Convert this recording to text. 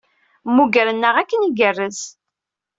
Mmugren-aneɣ akken igerrez.